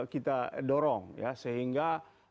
kita dorong ya sehingga